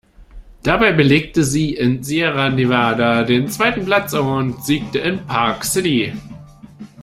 Dabei belegte sie in Sierra Nevada den zweiten Platz und siegte in Park City.